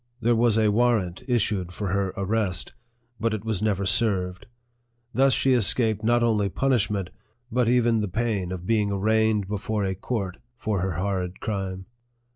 There was a warrant issued for her arrest, but it was never served. Thus she escaped not only punishment, but even the pain of being arraigned before a court for her horrid crime.